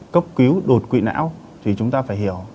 cấp cứu đột quỵ não thì chúng ta phải hiểu